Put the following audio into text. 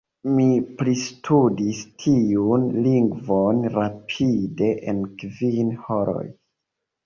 Mi pristudis tiun lingvon rapide en kvin horoj!